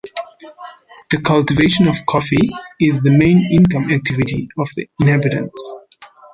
The cultivation of coffee is the main income activity of the inhabitants.